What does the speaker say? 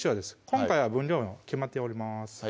今回は分量決まっております